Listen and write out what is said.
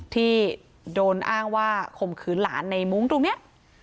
ที่โดนอ้างว่าข่มขืนหลานในมุ้งตรงนี้